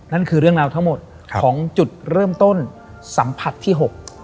นั่นคือเรื่องราวทั้งหมดของจุดเริ่มต้นสัมผัสที่๖